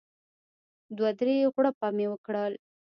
دوه درې غوړپه مې وکړل.